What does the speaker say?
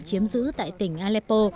chiếm giữ tại tỉnh aleppo